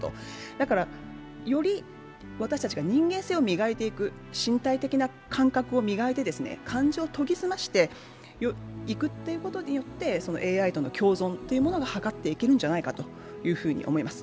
だから、より私たちが人間性を磨いていく身体的な感覚を磨いて感情を研ぎ澄ましていくことによってＡＩとの共存というものが図っていけるんじゃないかと思います。